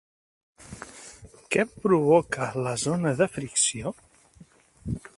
Què provoca la zona de fricció?